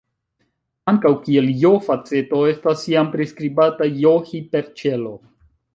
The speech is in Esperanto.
Ankaŭ, kiel "j"-faceto estas iam priskribata "j"-hiperĉelo.